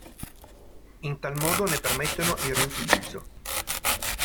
In tal modo ne permettono il riutilizzo.